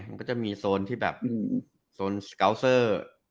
มันก็จะมีโซนที่แบบโซนสเกาเซอร์